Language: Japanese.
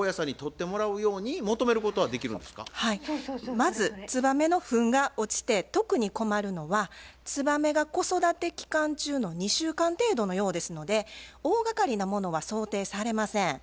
まずツバメのフンが落ちて特に困るのはツバメが子育て期間中の２週間程度のようですので大がかりなものは想定されません。